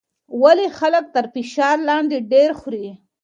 ولې خلک تر فشار لاندې ډېر خوري؟